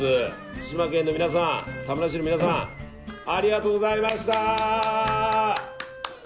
福島県の皆さん、田村市の皆さんありがとうございました！